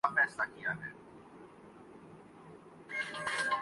ہمارا مقابلہ اپنی پسماندگی سے ہے۔